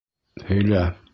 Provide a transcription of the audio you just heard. Һөйлә.